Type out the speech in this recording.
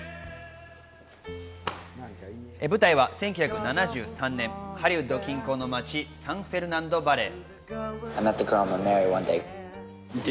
舞台は１９７３年、ハリウッド近郊の町、サンフェルナンド・バレー。